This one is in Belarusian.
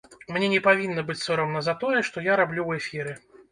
Мне не павінна быць сорамна за тое, што я раблю ў эфіры.